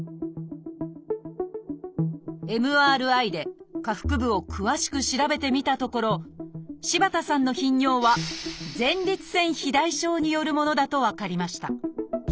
ＭＲＩで下腹部を詳しく調べてみたところ柴田さんの頻尿は「前立腺肥大症」によるものだと分かりました。